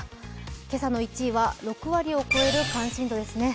今朝の１位は６割を超える関心度ですね。